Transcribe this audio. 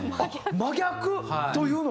真逆？というのは？